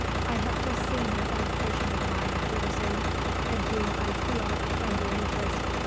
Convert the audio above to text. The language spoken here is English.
"I have just seen an old patient of mine," he resumed, "in whom I feel a friendly interest.